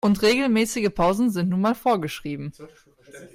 Und regelmäßige Pausen sind nun mal vorgeschrieben.